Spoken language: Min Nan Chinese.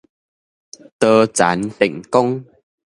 多層電光